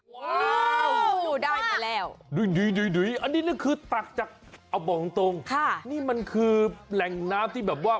ว้าวดูได้มาแล้วอันนี้ก็คือตักจากเอาบอกตรงค่ะนี่มันคือแหล่งน้ำที่แบบว่า